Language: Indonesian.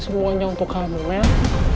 semuanya untuk kamu mel